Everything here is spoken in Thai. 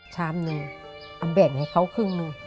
ชามนึงเอาแบ่งให้เขาครึ่งนึง